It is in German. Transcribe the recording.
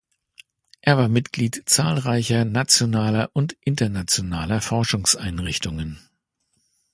Er war Mitglied zahlreicher nationaler und internationaler Forschungseinrichtungen.